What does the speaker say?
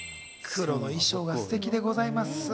黒の衣装がステキでございます。